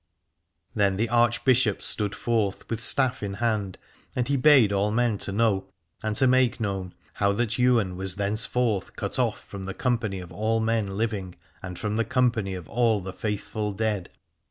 Then the Archbishop stood forth with staff in hand, and he bade all men to know, and to make known, how that Ywain was thence forth cut off from the company of all men living, and from the company of all the faithful dead.